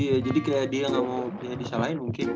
iya jadi kayak dia nggak mau disalahin mungkin